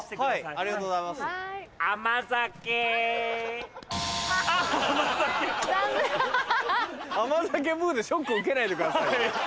「あま酒」ブでショック受けないでくださいよ。